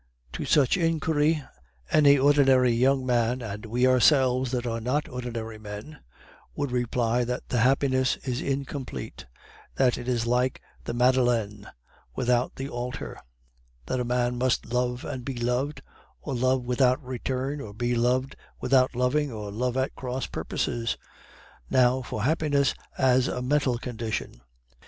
"To such inquiry any ordinary young man (and we ourselves that are not ordinary men) would reply that the happiness is incomplete; that it is like the Madeleine without the altar; that a man must love and be loved, or love without return, or be loved without loving, or love at cross purposes. Now for happiness as a mental condition.